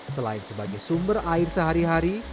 selain sebagai sumber air sehari hari